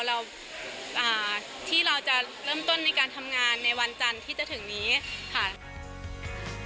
ที่เราจะเริ่มต้นในการทำงานในวันจันทร์ที่จะถึงนี้ค่ะ